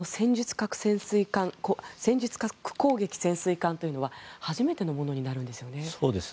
今回、北朝鮮としては戦術核攻撃潜水艦というのは初めてのものになるんですよね。